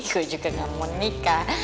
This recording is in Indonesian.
gue juga gak mau nikah